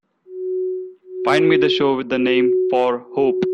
Find me the show with the name of For Hope